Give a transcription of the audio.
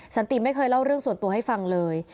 สันติไม่เคยเล่าเรื่องส่วนตัวให้ฟังเลย